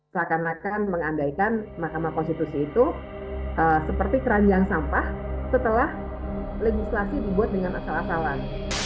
seakan akan mengandaikan mahkamah konstitusi itu seperti keranjang sampah setelah legislasi dibuat dengan asal asalan